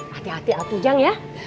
hati hati alat hujang ya